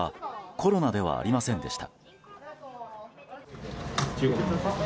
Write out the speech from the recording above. コロナではありませんでした。